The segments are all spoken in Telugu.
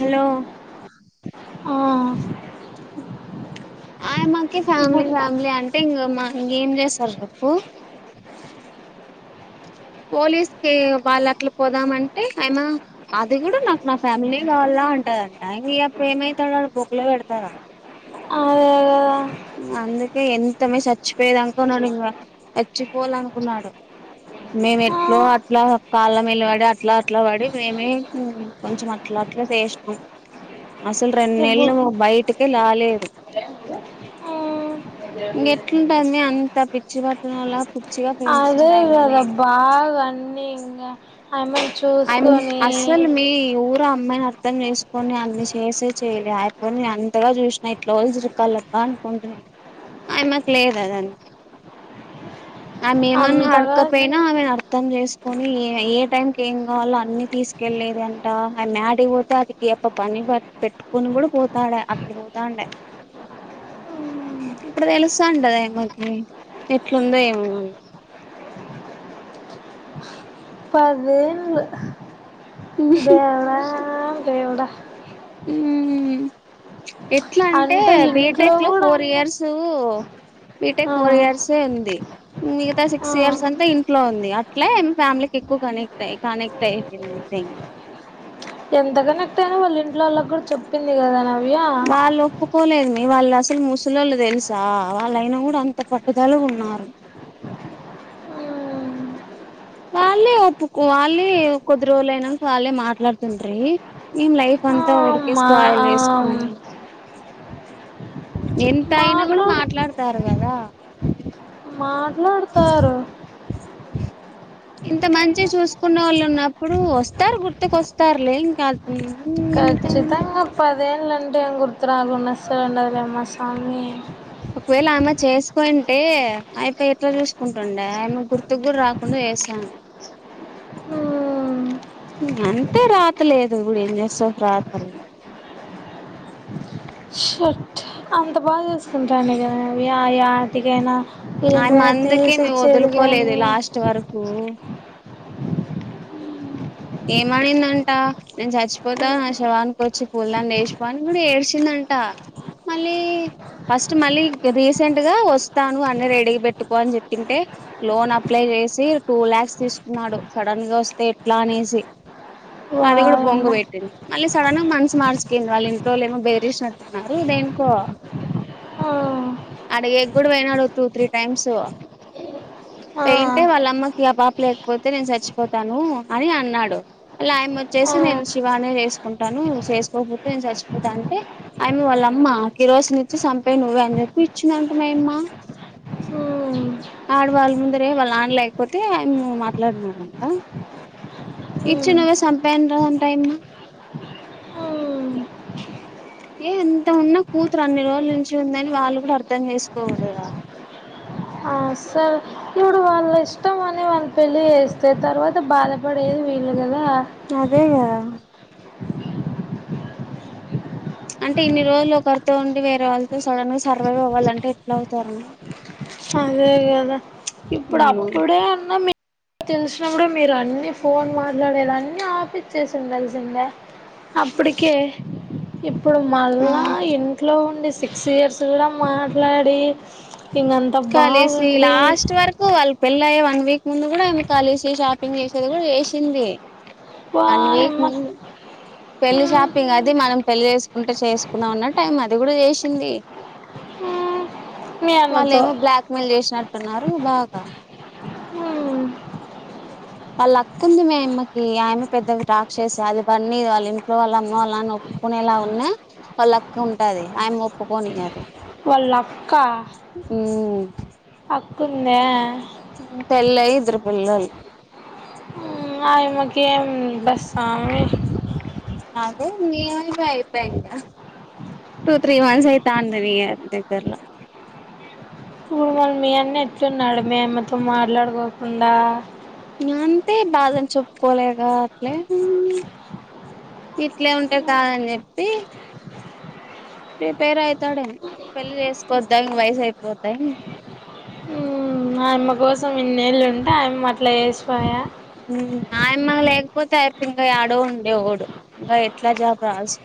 హలో ఆ ఆయమ్మకి ఫ్యామిలీ ఇప్పుడు ఫ్యామిలీ అంటే ఇంగ మా ఇంగేం చేస్తారు చెప్పు పోలీస్కి వాళ్ళు అట్లా పోదామంటే అయమ్మ అది కూడా నాకు నా ఫ్యామిలీనే కావాల అంటాదంట ఇంగ ఈయప్ప ఏమైతాడు ఆడ బొక్కలో పెడతారా అదే కదా అందుకే ఎంతమే సచ్చిపోయేదాంక ఉన్నాడు ఇంగ సచ్చిపోవాల అనుకున్నాడు మేము ఆ ఎట్లో అట్లా కాళ్ళ మెల్ల పడి అట్లా అట్లా పడి మేమే ఉమ్మ్ కొంచెం అట్లా అట్లా చేసినాం అసలు రెండు నెలలు బయటికే రాలేదు ఉ ఇంక ఎట్లుంటాంది మీ అంత పిచ్చి పట్టన వలా పిచ్చిగా అదే ప్రేమిస్తుంట ఆమని కదా బాగా వన్నీ ఇగ అమ్మాయి ఇంచ్ అమ్ అసలు మీ ఇప్పుడు అమ్మాయిని అర్థం చేసుకొని అన్ని చేసే చేయి ఆయపోని అంతగా చూసినా ఇంట్లో చిరుక్కాల ఆయ మాకు లేదుఆదాన్ని ఆమ ఏమన్నా అంతగా ఆడకపోయినా ఆమెను అర్థం చేస్త కొని ఏ ఏ టైంకి ఏం కావాలో అన్ని తీసుకెళ్లేద అంట ఆ మ్యాటపో దాకి అప్ప పని పెట్టుకోని కూడా పోతాడ అట్లా పోతాండే ఇప్పుడు తెలుసాంటదే ఆమకి ఎట్లుందో ఏమో ఉ పదేళ్లు మళ్ళ దేవడా దేవుడా మ్మ్ ఎట్లా అంటే ఇంట్లో బీటెక్ లో కూడా ఫోర్ అన్ని ఇయర్స్ ముందు బిటెక్ ఆ ఫోర్ ఇయర్సే ఉంది మిగతా ఆ సిక్స్ ఇయర్స్ అంతా ఇంట్లో ఉంది అట్లే ఫ్యామిలీకి ఎక్కువ కనెక్ట్ అయ్య కనెక్ట్ అయిపోయింది అంతే ఇంకా ఎంత కనెక్ట్ అయినా వాళ్ళ ఇంట్లో వాళ్ళకి కూడా చెప్పింది కదా నవ్య వాళ్ళు ఒప్పుకోలేదు మీ వాళ్ళు అసలు ముసలు తెలుసా వాళ్ళయినా కూడా అంత పట్టుదల ఉన్నారు వాళ్ళే ఒప్పుకో వాళ్ళే కొద్ది రోజులు అయినాక వాళ్ళే మాట్లాడుతుంటీ ఏం లైఫ్ ఆ అంతా ఉరికే మా స్పాయిల్ ఆ చేసుకుంటుంది ఎంత అయినా కూడా మాట్లాడు మాట్లాడతారు కదా మాట్లాడుతారు ఉహు ఇంత మంచిగా చూసుకున్న వాళ్ళు ఉన్నప్పుడు వస్తారు గుర్తుకు వస్తారులే కానీ ఖచ్చితంగా పదేళ్ళంటే ఏం గుర్తు రాలన్నస్తలుండదిలేమ్మ స్వామి ఒకవేళ ఆయమె చేసుకోంటే ఆయపో ఎట్లా చూసుకుంటుండే ఆయమె గుర్తుకు కూడా రాకుండా చేసుాం మ్మ్. అంతే రాతలేదు ఇప్పుడు ఏం చేస్తావు రాతలే షర్ట్ అంత బాగా చేసుకుంటాడి కదా యటికైనా ఆమె ఏంటవైనా తీసిచ్చేది కానీ ఇంత వరకు ఏమనిందంట నేను చచ్చిపోతా మ్మ్. నా శవానికి వచ్చి పూల అన్ని ఏసి పోండి అని కూడా ఏడ్చిందంట మళ్ళీ ఫస్ట్ మళ్ళీ రీసెంట్ గా వస్తాను అన్న రెడిగి పెట్టుకో అని చెప్పింటే లోన్ అప్లై చేసి టూ ల్యాక్స్ తీసుకున్నాడు సడన్ గా వస్తే ఎట్లా అనేసి అది కూడా వాయమ్మ బొంగ పెట్టింది మళ్ళీ సడన్ గా మనసు మార్చు కుంది వాళ్ళ ఇంట్లో ఏమో బేరసినట్ న్నారు దేనీకో ఆ, అడిగే కూడా పోయినాడు టూ త్రీ టైమ్స్ ఆ, పెయింటే వాళ్ళమ్మకి ఆ పాప లేకపోతే నేను చచ్చిపోతాను అని అన్నాడు అలా ఆ అమాయి వచ్చేసి నేను శివానే చేసుకుంటాను చేసుకోకపోతే నేను చచ్చిపోతా అంటే అయమ వాళ్ళమ్మా కిరోసిన్ ఇచ్చి చంపేయి నువ్వే అని చెప్పి ఇచ్చిందంట మాయమ్మా మ్మ్, ఆడవాళ్ళ ముందరే వాళ్ళు నాన్న ఆడలేకపోతే ఆయ మాట్లాడునాడంట ఇచ్చి మ్మ్, నువ్వే సంపెయ్ అంటే టైమ్ నా మ్మ్. ఏ ఎంత ఉన్నా కూతురు అన్ని రోజుల నుంచి ఉందని వాళ్ళు కూడా అర్ధం చేసుకో వాలి కదా అస్సల్ ఇప్పుడు వాళ్ళ ఇష్టం అని వాళ్ళు పెళ్ళి చేస్తే తర్వాత బాధపడేది వీళ్ళు కదా అదేగా అంటే ఇన్ని రోజులు ఒకరితో ఉండి వేరే వాళ్ళతో సడన్ గా సర్వైవ్ అవ్వాలంటే ఎట్లా అవుతారని ఆ అదే కదా ఇప్పుడు అప్పుడే అన్నా తెలిసిన కూడా మీరు అన్ని ఫోన్ మాట్లాడేది అన్ని ఆపి చేసింది తెలిసిందా అప్పటికే ఇప్పుడు మళ్ళా ఆ ఇంట్లో ఉండి సిక్స్ ఇయర్స్ కూడా మాట్లాడి ఇంకంత ఇంకాలేచి బాగుండి లాస్ట్ వరకు వాళ్లు పెళ్ళి అయి వన్ వీక్ ముందు కూడా ఆమె కలిసి షాపింగ్ చేసేది కూడా చేసింది పా వన్ వీక్ యమ్మ ముందు పెళ్లి షాపింగ్ అది మనం పెళ్లి చేసుకుంటే చేసుకున్నా ఉన్న టైం అది కూడా చేసింది మ్మ్ మీ వాళ్ళు అన్నతో ఎమో బ్లాక్మెెయిల్ చేసినట్టున్నారు బాగా మ్మ్ వాళ్ళ అక్క ఉంది మే ఆమెకి ఆమె పెద్దది రక్షసి అదివన్నీ వాళ్ళ ఇంట్లో వాళ్ళ అమ్మ వాళ్ళ నాన్న ఓపించు ఒప్పుకునేలాఉన్న వాళ్ళ అక్క ఉంటది ఆమె ఒప్పుకొ నియదు వాళ్ళ అక్క అక్కుందా పెళ్లి అయి ఇద్దరు పిల్లలు మా అమ్మకి ఎం ఇలా స్వామి అదే మీ ఆయనది అయిపోయిందా టూ త్రీ మంత్స్ అయితా అంది నీ దగ్గరలో ఫమల్ మి అన్న ఎటు కూర్చొన్నాడు మే అమ్మా తో మాట్లాడుకోకుండా నా అంతే బాధని చెప్పుకోలేగా అట్లే ఇట్లే ఉంటాయి కాదని చెప్పి ప్రిపేర్ అవుతాడు ఎమో పెళ్లి చేసుకోద్దా ఇం వయసు అయిపోతాయి నా అమ్మ కోసం ఇన్నేళ్ళు ఉంటే ఆయమ్మ అట్లా చేసిపోయా మాయమ్మ లేకపోతే అయిపో ఇంకా యాడో ఉండే వాడు ఇంకా ఎట్లా జాబ్ రాసు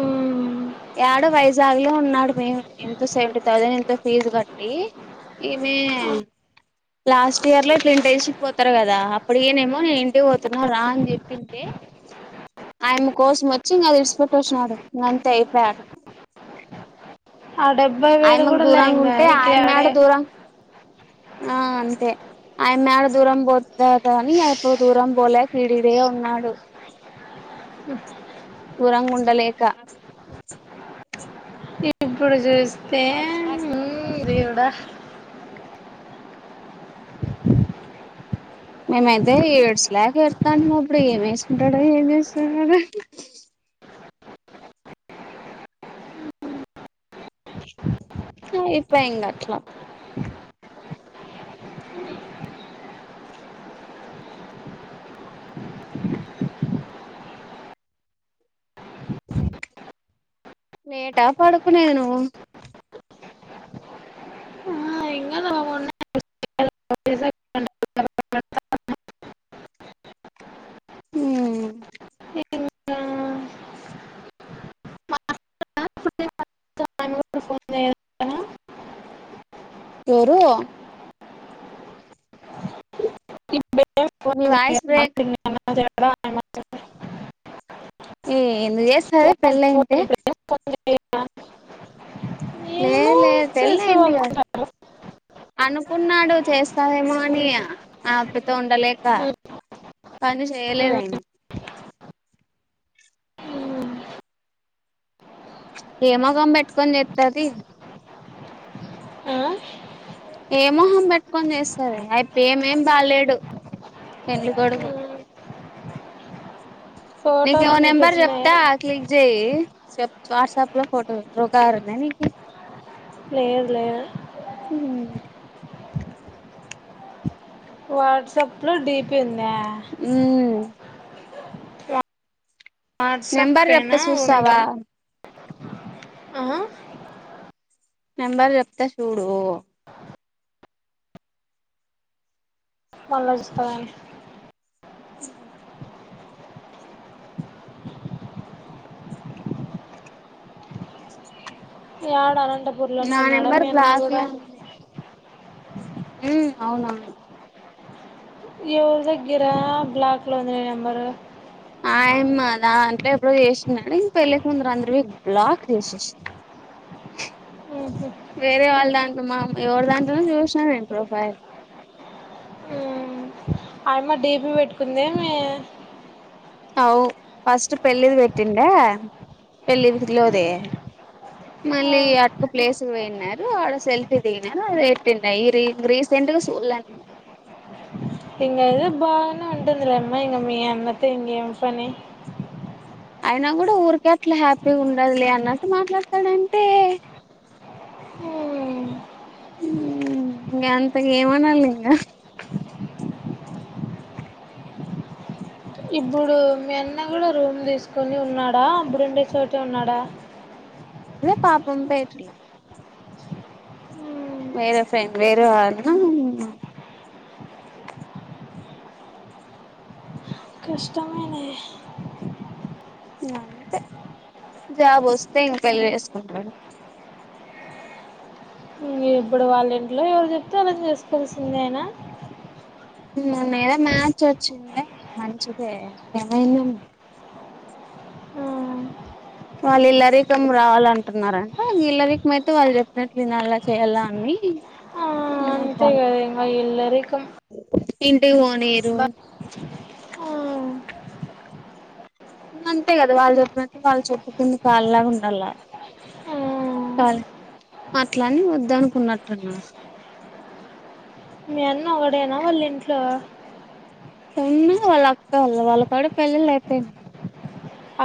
మ్మ్, ఏడో వైజాగ్ లో ఉన్నాడు మే ఎంత సెవంటీ థౌజండ్ ఎంతో ఫీజు కట్టి ఏమే లాస్ట్ ఇయర్ లో ఇట్లా ఇంటర్న్షిప్ పోతారు కదా అప్పడికేనేమో నేను ఇంటి పోతున్నా రా అని చెప్పి ఆయ మె కోసం వచ్చి ఇంకా విడిసి పెట్టేసినాడు ఇక అంతే అయిపోయాడు ఆ డెబ్బై వేలు ఆయమ్మకు కూడా దూరంగా లేంగ ఉంటే ఇక్కడ ఆయమ్మ యాడ ఆడే దూరం ఆ అంతే అయ మే యాడ దూరం పోతు కాని అయిపో దూరం పోలే యిడ యిడే ఉన్నాడు దూరంగా ఉండలేక ఇప్పుడు చూస్తే ఉమ్ దేవుడా ఆ మేమైతే ఏడ్స్లేక వెడతాం అప్పుడు ఏం వేసుకుంటాడు ఏం చేస్తున్నాడు అయిపోయింది అట్లా మేటా పడుకున్నాను ఆ ఇంకా దా పోపుండే మ్ ఎం ఇస్తానో ఎవరు ప [unintelligible] నీ వాయిస్ బ్రేక్ ఏంది చేస్తదే ఫోన్ ఫో పెళ్ళయింటే [unintelligible] [unintelligible] లేదు లేదు చేసేవాళ్ళు పెళ్ళయిందిగా అనుకున్నాడు చేస్త [inaudible] అని ఆఅక్క తో ఉండలేక పని చెయలేదైనా ఏ మొగం పెట్టుకొని చెప్తది ఆ ఏ మొహం పెట్టుకొని చేస్తారు ఆయప్ప ఏమేం బాలేడు పెండ్లి కొడుకు నీకో ఫోటోలు మీకు నెంబర్ వచ్చినాయా చెప్తా క్లిక్ చేయి వాట్సాప్ లో ఫోటోకారున్నా నీకు లేదు లేదు ఉమ్ వాట్సాప్లో డిపీ ఉందా మ్మ్ వాట్సాప్ నెంబర్ చెప్త అయినా చూస్తావా ఉండవు ఆ నెంబర్ చెప్త చూడు మళ్ళా జూస్తా ఉ ఏడ అనంతపూర్ లోనే నా ఉన్నాడా నెంబర్ మీ అన్న బ్లాక్ కూడా ఉమ్ అవునవును ఎవరు దగ్రా బ్లాక్ లో ఉంది నెంబరు ఆయమ్మా దా అంట్లో ఎప్పుడో చేసిన్నాడు ఇంక పెళ్ళికి ముందరు అందరు బ్లాక్ చేసేసిడు ఉహు. వేరే వాళ్ళ దాంట్లో మా ఎవరి దాంటనో చూసినను నేను ప్రొఫైల్ ఉమ్. [unintelligible] ఆయమ్మ డీపీ పెట్టుకుంది ఏమి ఔ ఫస్ట్ పెళ్ళిది పెట్టుండే పెళ్ళిలోదే మళ్ళీ అటుకు ప్లేసు పోయినారు ఆడ సెల్ఫీ తిగినారు అది ఐపోయింది రీసెంట్ గా చూడ లే ఇంగ ఇ బాగానే ఉంటుందిలేమ్మ ఇంగ మీ అన్నతో ఇం ఏం పనీ అయినా కూడా ఊరికే అట్లా హ్యాపీ ఉండాది లే అన్నట్టు మాట్లాడతాడంటే ఉమ్. ఇం ఇంగ అంతగా ఏమనాల ఇంకా ఇప్పుడు మీ అన్న కూడా రూమ్ తీసుకొని ఉన్నాడా అప్పుడుండే చోటే ఉన్నాడా ఇదే పాపం పోయటలే మ్మ్ వేరే ఫ్రెండ్ వేరే అన్న కష్టమేనే ఇంకా అంతే జాబ్ వస్తే ఇంక పెళ్ళి చేసుకుంటాడు మీ ఇప్పుడు వాళ్ళ ఇంట్లో ఎవరు చెప్తే ఆళ్లని చేసుకోవాల్సిందేనా మొన్న ఏ మ్యాచ్ వచ్చిండే మంచిది ఏమైంద మ్మ్. వాళ్ళు ఇల్లరీకం రావాలంటున్నారంట ఇల్లరీకం అయితే వాళ్ళు చెప్పినట్లు వినళ్ళ చేయ్యాలా అని ఆ, అంతే అ కదా ఇంకా ఇల్లరికం ఇంటి పోనీయరు ఆ ఇంకా అంతే కదా వాళ్ళ చెప్పిన వాళ్ళు చెప్పు కింద కాాలలాగా ఉండాలి మ్మ్. కా అట్లని వద్ద అనుకున్నట్టున్నారు నే అక్కడైనా వాళ్ళ ఇంట్లో చిన్న వాళ్ళ అక్కళ్ళ వాళ్ళ కాడ పెళ్ళిళ్ళు అయిపోయినాయి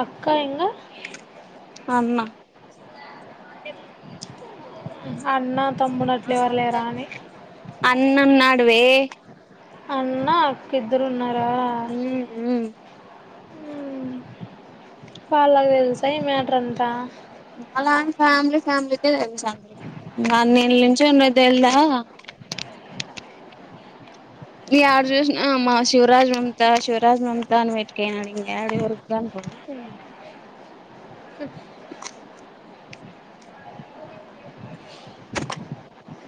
అక్క ఇంకా అన్నా అన్న తమ్ముడు అట్ల ఎవరు లేరా అని అన్నంనాడువే అన్న అక్క ఇద్దరు ఉన్నారా ఊ ఊ వాళ్ళకు తెలుసా ఈ మ్యాటర్ అంతా అలాంటి ఫ్యామిలీ ఫ్యామిలీకే తెలుసు అండీ అన్ నేన్ నిలుచున్న తెలీదా ఇగ యాడ జూష్ణ మా శివరాజ్ మమతా శివరాజ్ మమతా వెయిట్కియనాడి యాడవరుకు కనపడడు ఇంతేండి